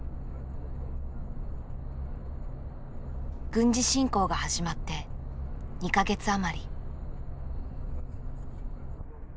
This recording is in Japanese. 軍事侵攻が始まって２か月余り。